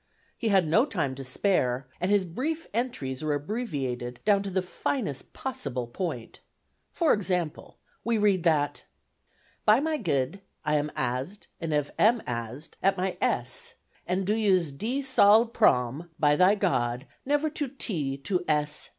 He had no time to spare, and his brief entries are abbreviated down to the finest possible point. For example, we read that "By my Gd I am as'd and Ev. am as'd at my S and do now ys D Sol prom By Thy God never to T. to s.